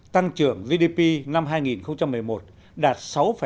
tăng trưởng gdp năm hai nghìn một mươi một đạt sáu hai mươi bốn